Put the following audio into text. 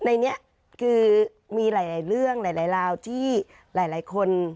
ในนี้คือมีหลายเรื่องหลายราวที่หลายคน